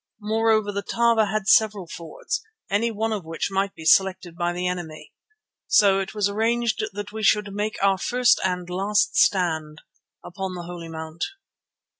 Moreover the Tava had several fords, any one of which might be selected by the enemy. So it was arranged that we should make our first and last stand upon the Holy Mount.